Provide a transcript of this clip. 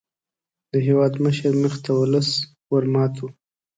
د هېوادمشر مخې ته ولس ور مات وو.